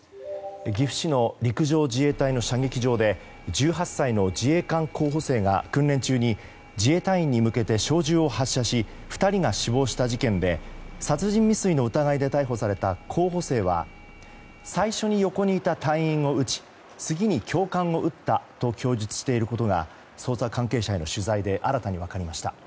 岐阜市の陸上自衛隊の射撃場で１８歳の自衛官候補生が訓練中に自衛隊員に向けて小銃を発射し２人が死亡した事件で殺人未遂の疑いで逮捕された候補生は最初に横にいた隊員を撃ち次に教官を撃ったと供述していることが捜査関係者への取材で新たに分かりました。